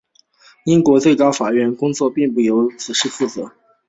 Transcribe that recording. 英国最高法院的行政工作并不由事务局负责。